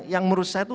yang menurut saya itu